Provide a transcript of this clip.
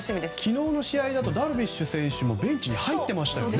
昨日の試合だとダルビッシュ選手もベンチに入っていましたね。